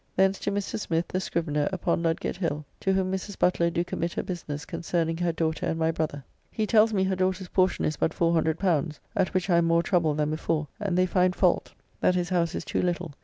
Thence to Mr. Smith, the scrivener, upon Ludgate Hill, to whom Mrs. Butler do committ her business concerning her daughter and my brother. He tells me her daughter's portion is but L400, at which I am more troubled than before; and they find fault that his house is too little.